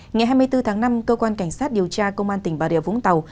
ngày hai mươi bốn tháng năm cơ quan cảnh sát điều tra công an tỉnh bà rịa vũng tàu